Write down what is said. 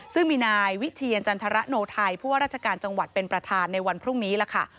ซึ่งมีนายวิเทียนจันทรโนไทยผู้ว่าราชการจังหวัดเป็นประธานในวันพรุ่งนี้ล่ะค่ะ